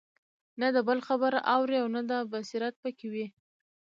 نه د بل خبره اوري او نه دا بصيرت په كي وي